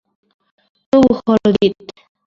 তবু হল জিত।